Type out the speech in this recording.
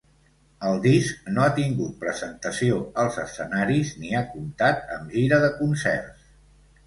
El disc no ha tingut presentació als escenaris ni ha comptat amb gira de concerts.